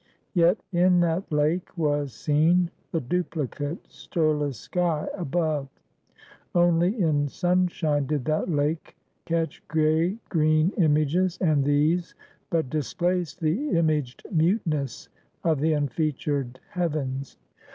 Yet in that lake was seen the duplicate, stirless sky above. Only in sunshine did that lake catch gay, green images; and these but displaced the imaged muteness of the unfeatured heavens.